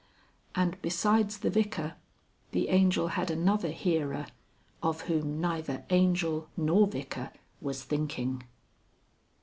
And besides the Vicar, the Angel had another hearer of whom neither Angel nor Vicar was thinking.